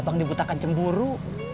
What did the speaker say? abang dibutakan cemburu